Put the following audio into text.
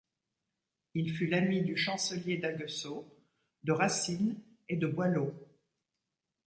Il fut l'ami du chancelier d'Aguesseau, de Racine et de Boileau.